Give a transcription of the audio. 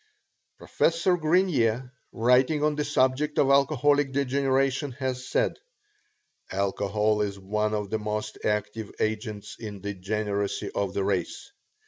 Professor Grenier, writing on the subject of alcoholic degeneration, has said: "Alcohol is one of the most active agents in the degeneracy of the race.